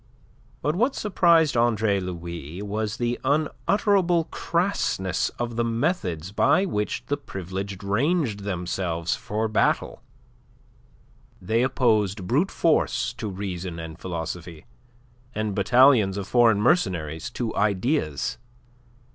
But what surprised Andre Louis was the unutterable crassness of the methods by which the Privileged ranged themselves for battle. They opposed brute force to reason and philosophy, and battalions of foreign mercenaries to ideas.